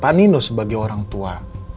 tidak hanya pak nino sebagai orang tua